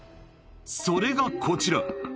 それがこちら。